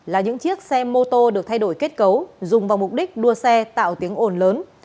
là những chiếc xe mô tô được thay đổi kết cấu dùng vào mục đích đua xe tạo tiếng ồn lớn